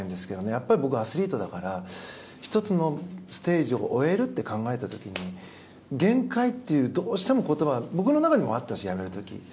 やっぱり僕はアスリートだから１つのステージを終えると考えた時にどうしても限界という言葉が僕の中にもあったし、やめる時。